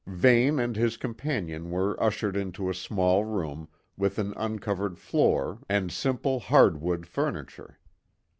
Vane and his companion were ushered into a small room with an uncovered floor and simple, hardwood furniture.